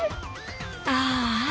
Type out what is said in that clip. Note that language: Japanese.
ああ。